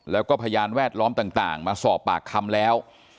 แล้วก็พยานแวดล้อมต่างมาสอบปากคำแล้ว